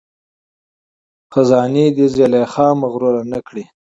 خزانې دي زلیخا مغروره نه کړي